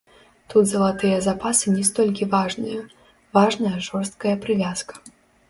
Тут залатыя запасы не столькі важныя, важная жорсткая прывязка.